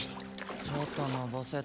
ちょっとのぼせた。